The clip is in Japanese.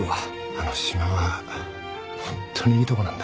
あの島はホントにいいとこなんだ。